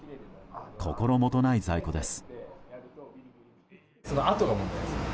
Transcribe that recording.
心もとない在庫です。